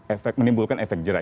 efek menimbulkan efek jerah